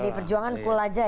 jadi perjuangan cool aja ya